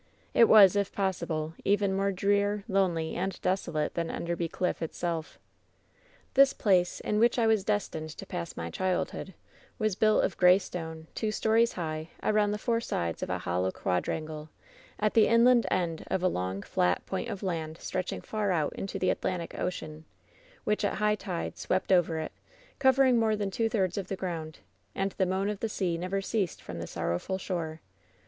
It was, if possible, even more drear, lonely and desolate than Enderby Cliff itself. "This place, in which I was destined to pass my child« hood, was built of gray stone, two stories high, around the four sides of a hollow quadrangle, at the inland end of a long, flat point of land stretching far out into the Atlantic Ocean, which at high tide swept over it, cover ing more than two thirds of the ground ; and the moan of the sea never ceased from the sorrowful shore.